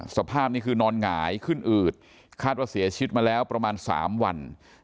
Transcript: สภาพนี้คือนอนหงายขึ้นอืดคาดว่าเสียชีวิตมาแล้วประมาณ๓วัน